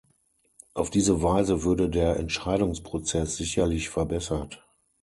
Auf diese Weise würde der Entscheidungsprozess sicherlich verbessert.